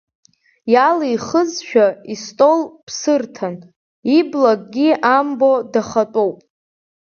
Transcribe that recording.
Иалихызшәа истол ԥсырҭан, ибла акгьы амбо дахатәоуп.